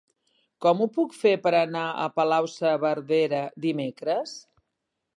Com ho puc fer per anar a Palau-saverdera dimecres?